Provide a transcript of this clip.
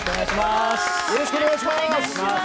よろしくお願いします！